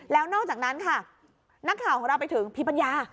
แล้วนอกจากนั้นค่ะนักข่าวของเราไปถึงพี่ปัญญา